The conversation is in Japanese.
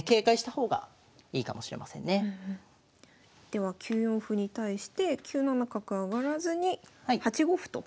では９四歩に対して９七角上がらずに８五歩と。